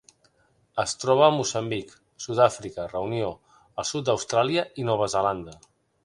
Es troba a Moçambic, Sud-àfrica, Reunió, el sud d'Austràlia i Nova Zelanda.